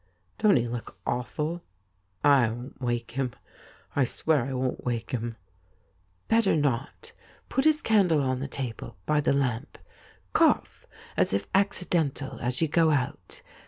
' Don't he look awful ? I 'on't 41 THIS IS ALL wake him. I sweav I 'on't Avake him. '' Better not. Put his candle on the table, by the lamp ; cough, as if accidental, as you go out.